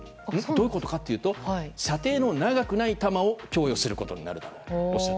どういうことかというと射程の長くない弾を供与することになるだろうと。